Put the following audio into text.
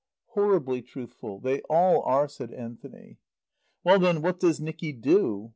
"Horribly truthful. They all are," said Anthony. "Well, then, what does Nicky do?"